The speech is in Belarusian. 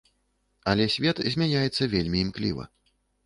Але свет змяняецца вельмі імкліва.